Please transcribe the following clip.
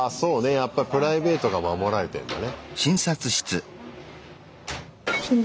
やっぱりプライベートが守られてんだね。